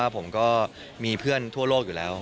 ผมก็มีเพื่อนทั่วโลกอยู่แล้ว